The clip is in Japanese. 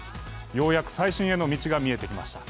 ようやく再審への道が見えてきました。